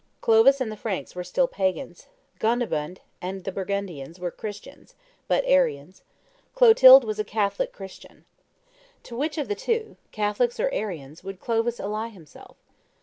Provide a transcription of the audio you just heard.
Clovis and the Franks were still pagans; Gondebaud and the Burgundians were Christians, but Arians; Clotilde was a Catholic Christian. To which of the two, Catholics or Arians, would Clovis ally himself?